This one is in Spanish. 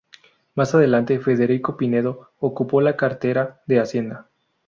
Más adelante, Federico Pinedo, ocupó la cartera de Hacienda.